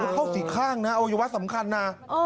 เข้าสิกข้างนะอายุวัฒน์สำคัญนะ